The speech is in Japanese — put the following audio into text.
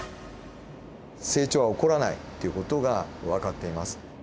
成長が起こらないっていう事がわかっています。